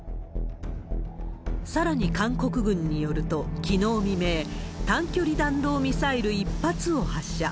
さらに韓国軍によると、きのう未明、短距離弾道ミサイル１発を発射。